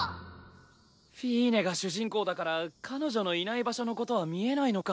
フィーネが主人公だから彼女のいない場所のことは見えないのか。